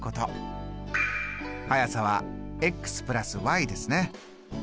速さは＋ですね。